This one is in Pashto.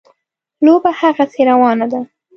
لوبه هغسې روانه ده.